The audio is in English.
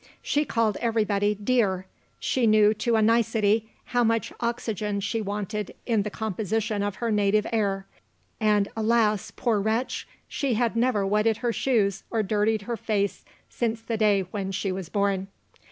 She called everybody "dear;" she knew to a nicety how much oxygen she wanted in the composition of her native air; and alas, poor wretch! she had never wetted her shoes or dirtied her face since the day when she was born.